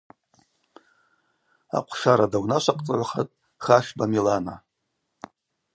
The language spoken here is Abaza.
Ахъвшара даунашвахъцӏагӏвхатӏ Хашба Милана.